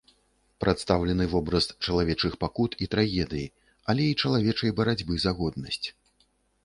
Прадстаўлены вобраз чалавечых пакут і трагедый, але і чалавечай барацьбы за годнасць.